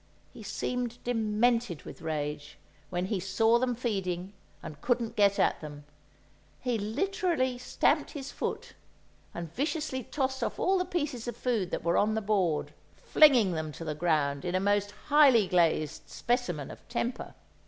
He seemed demented with rage, when he saw them feeding and couldn't get at them; he literally stamped his foot, and viciously tossed off all the pieces of food that were on the board, flinging them to the ground in a most highly glazed specimen of temper!